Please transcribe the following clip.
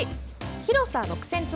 広さ６０００坪。